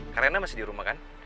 karena masih di rumah kan